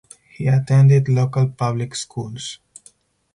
He attended local public schools.